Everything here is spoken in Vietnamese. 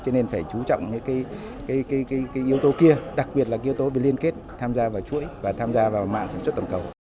cho nên phải chú trọng những yếu tố kia đặc biệt là yếu tố về liên kết tham gia vào chuỗi và tham gia vào mạng sản xuất tổng cầu